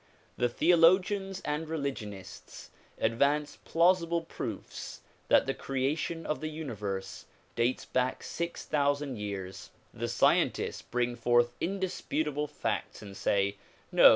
The theologians and religionists advance plausible proofs that the creation of the uni verse dates back six thousand years; the scientists bring forth in disputable facts and say "No!